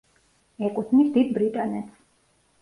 ეკუთვნის დიდ ბრიტანეთს.